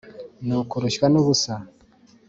ni ukurushywa n’ubusa